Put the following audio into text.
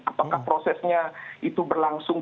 apakah prosesnya itu berlangsung